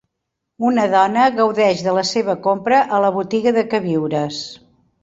Una dona gaudeix de la seva compra a la botiga de queviures.